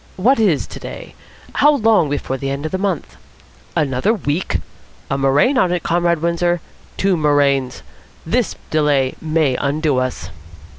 What is today? How long before the end of the month? Another week! A murrain on it, Comrade Windsor. Two murrains. This delay may undo us."